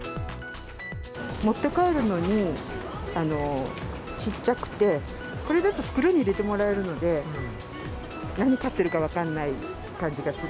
持って帰るのに小っちゃくて、これだと袋に入れてもらえるので、何買ってるか分からない感じがする。